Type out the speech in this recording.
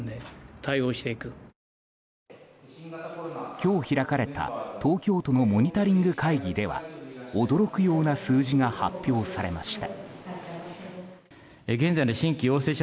今日開かれた東京都のモニタリング会議では驚くような数字が発表されました。